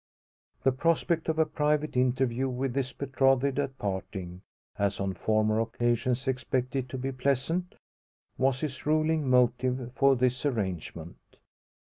The prospect of a private interview with his betrothed at parting, as on former occasions expected to be pleasant, was his ruling motive for this arrangement.